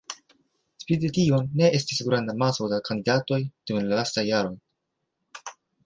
Spite tion ne estis granda amaso da kandidatoj dum la lastaj jaroj.